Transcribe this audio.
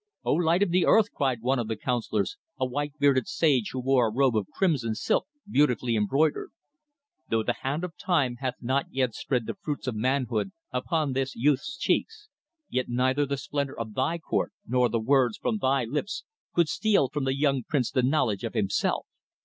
"O, light of the earth," cried one of the councillors, a white bearded sage who wore a robe of crimson silk beautifully embroidered. "Though the hand of time hath not yet spread the fruits of manhood upon this youth's cheeks, yet neither the splendour of thy court nor the words from thy lips could steal from the young prince the knowledge of himself.